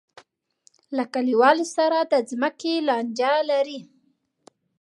له کلیوالو سره د ځمکې لانجه لري.